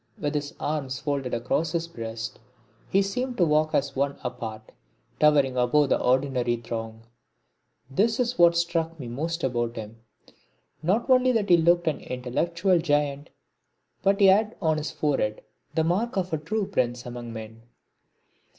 With his arms folded across his breast he seemed to walk as one apart, towering above the ordinary throng this is what struck me most about him. Not only that he looked an intellectual giant, but he had on his forehead the mark of a true prince among men.